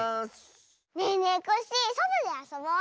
ねえねえコッシーそとであそぼう！